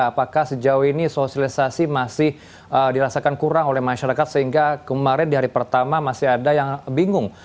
apakah sejauh ini sosialisasi masih dirasakan kurang oleh masyarakat sehingga kemarin di hari pertama masih ada yang bingung